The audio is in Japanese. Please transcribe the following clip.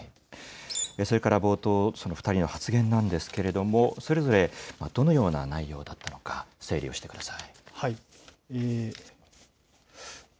それから冒頭、その２人の発言なんですけれども、それぞれどのような内容だったのか、整理をしてください。